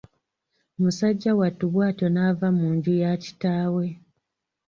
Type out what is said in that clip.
Musajja wattu bw'atyo n'ava mu nju ya kitaawe.